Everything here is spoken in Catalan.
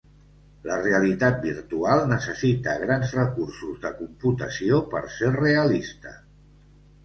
La realitat virtual necessita grans recursos de computació per ser realista.